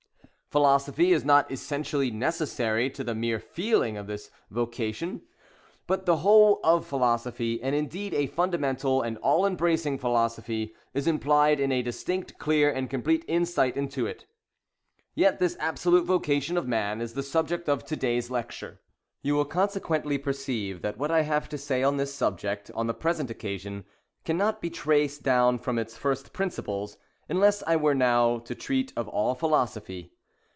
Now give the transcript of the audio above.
Philosophy is not essentially necessary to the mere / "1" this vocation; but the whole of philosophy, and indeed a fundamental and all embracing philosophy, is implied in a distinct, clear, and complete insight into it. Yet this absolute vocation of man is the subject of to day's lecture. You will consequently perceive that what I have to say on this subject on the present occasion cannot be traced down from its first principles unless I were now to treat of all philosophy.